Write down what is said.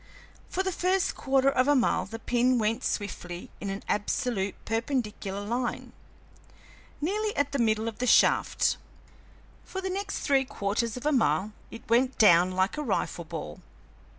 For the first quarter of a mile the pin went swiftly in an absolutely perpendicular line, nearly at the middle of the shaft. For the next three quarters of a mile it went down like a rifle ball.